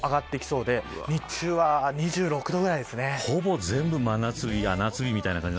ぐんぐん気温も上がってきそうで日中は２６度ぐらいですね。